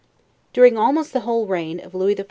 During almost the whole reign of Lewis XIV.